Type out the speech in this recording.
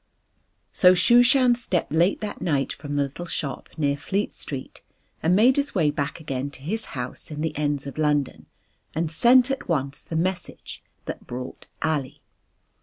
So Shooshan stepped late that night from the little shop near Fleet Street and made his way back again to his house in the ends of London and sent at once the message that brought Ali.